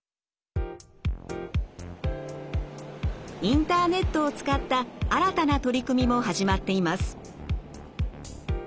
インターネットを使った新たな取り組みも始まっています。